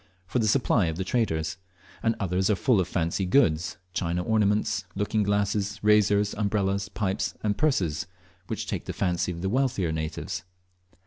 for the supply of the traders; and others are full of fancy goods, china ornaments, looking glasses, razors, umbrellas, pipes, and purses, which take the fancy of the wealthier natives.